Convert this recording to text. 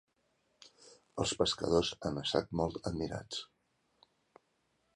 Els "Pescadors" han estat molt admirats.